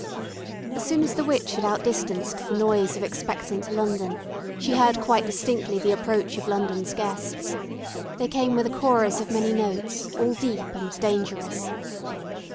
As soon as the witch had out distanced the noise of expectant London, she heard quite distinctly the approach of London's guests. They came with a chorus of many notes, all deep and dangerous.